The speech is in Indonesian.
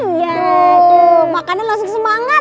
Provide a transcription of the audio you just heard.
iya aduh makannya langsung semangat